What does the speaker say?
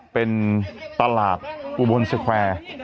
เป็นตลาดอุบลสแควร์